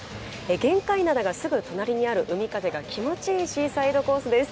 玄界灘がすぐ隣にある海風が気持ちいいシーサイドコースです。